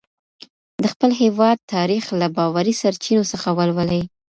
د خپل هېواد تاریخ له باوري سرچینو څخه ولولئ.